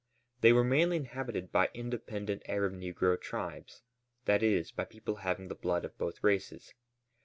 They were mainly inhabited by independent Arab negro tribes, that is, by people having the blood of both races.